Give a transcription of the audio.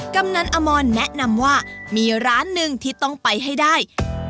กำนันอมรแนะนำว่ามีร้านหนึ่งที่ต้องไปให้ได้